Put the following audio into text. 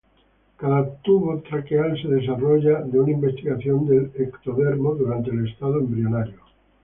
Cada tubo traqueal se desarrolla de una invaginación del ectodermo durante el estado embrionario.